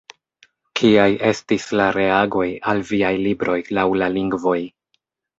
Kiaj estis la reagoj al viaj libroj laŭ la lingvoj?